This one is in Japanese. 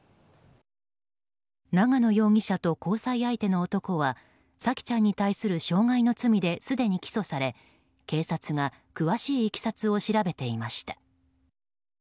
長野容疑者と交際相手の男は沙季ちゃんに対する傷害の罪ですでに起訴され警察が詳しいいきさつを調べていました。